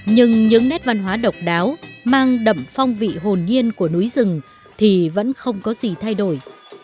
nhưng những nét văn hóa độc đáo mang đậm phong vị hồn nhiên của núi rừng thì vẫn không có gì thay đổi